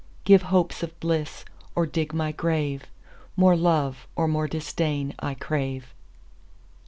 Give hopes of bliss or dig my grave: More love or more disdain I crave.